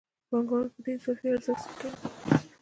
پانګوال په دې اضافي ارزښت څه کوي